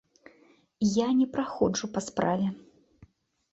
Я не праходжу па справе.